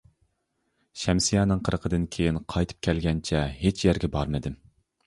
شەمسىيەنىڭ قىرىقىدىن كېيىن قايتىپ كەلگەنچە ھېچ يەرگە بارمىدىم.